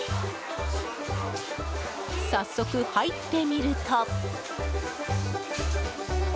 早速、入ってみると。